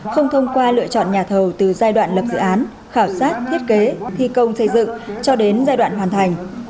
không thông qua lựa chọn nhà thầu từ giai đoạn lập dự án khảo sát thiết kế thi công xây dựng cho đến giai đoạn hoàn thành